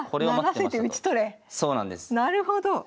なるほど。